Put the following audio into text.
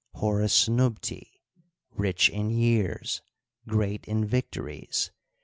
Horus Nubti, Rich in years, great in victories.